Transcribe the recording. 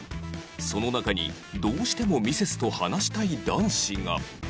その中にどうしてもミセスと話したい男子が